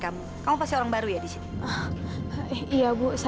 apa kalian jad hous